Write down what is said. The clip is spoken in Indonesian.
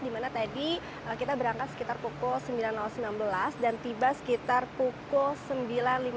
dimana tadi kita berangkat sekitar pukul sembilan sembilan belas dan tiba sekitar pukul sembilan lima puluh